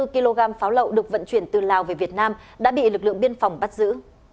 hai mươi kg pháo lậu được vận chuyển từ lào về việt nam đã bị lực lượng biên phòng bắt giữ